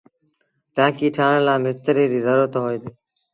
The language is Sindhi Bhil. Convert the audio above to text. ٽآنڪي ٺآهڻ لآ مستريٚ ريٚ زرورت هوئي ديٚ